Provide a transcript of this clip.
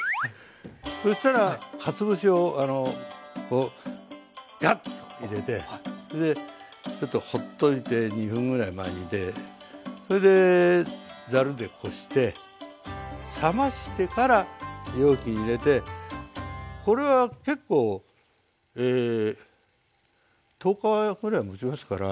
そしたらかつお節をこうヤッと入れてそれでちょっとほっといて２分ぐらいまあ煮てそれでざるでこして冷ましてから容器に入れてこれは結構え１０日ぐらいもちますから。